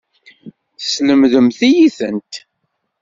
Teslemdemt-iyi-tent.